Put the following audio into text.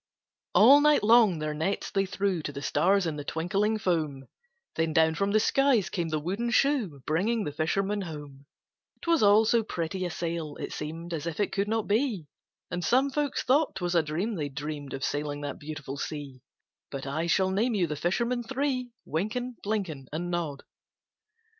All night long their nets they threw To the stars in the twinkling foam Then down from the skies came the wooden shoe, Bringing the fishermen home; 'Twas all so pretty a sail it seemed As if it could not be, And some folks thought 'twas a dream they'd dreamed Of sailing that beautiful sea But I shall name you the fishermen three: Wynken, Blynken, And Nod.